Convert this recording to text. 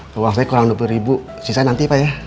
maaf ya kurang dua puluh ribu sisain nanti ya pak ya